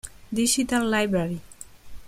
Digital Library